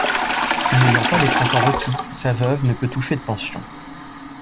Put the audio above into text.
N'ayant pas les trente ans requis, sa veuve ne peut toucher de pension.